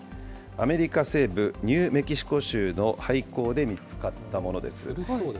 アメリカ西部ニューメキシコ州の廃坑で見つかったものです。